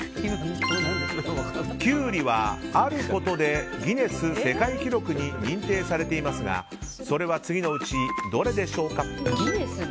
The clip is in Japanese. キュウリはあることでギネス世界記録に認定されていますがそれは次のうちどれでしょうか。